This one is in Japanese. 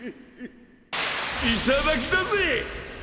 いただきだぜ！